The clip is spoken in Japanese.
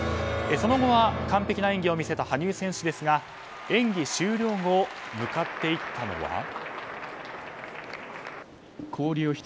その後は完璧な演技を見せた羽生選手ですが演技終了後向かっていったのは。